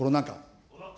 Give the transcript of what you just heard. コロナ禍。